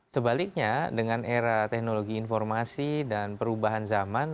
sebaliknya dengan era teknologi informasi dan perubahan zaman